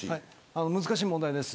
難しい問題です。